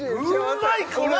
うんまいこれ！